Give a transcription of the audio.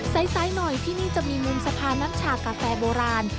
ซ้ายหน่อยที่นี่จะมีมุมสะพานน้ำชากาแฟโบราณ